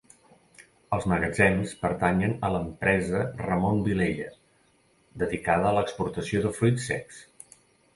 Els magatzems pertanyen a l'empresa Ramon Vilella, dedicada a l'exportació de fruits secs.